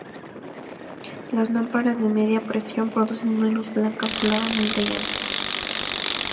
Las lámparas de media presión producen una luz blanca azulada muy brillante.